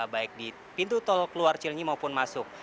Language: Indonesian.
baik di pintu tol keluar cilinyi maupun masuk